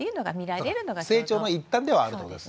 成長の一端ではあるということですね。